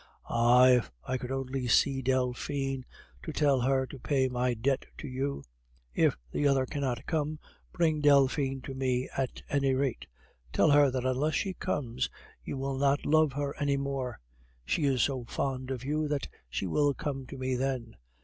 Ah! if I could only see Delphine, to tell her to pay my debt to you. If the other cannot come, bring Delphine to me at any rate. Tell her that unless she comes, you will not love her any more. She is so fond of you that she will come to me then.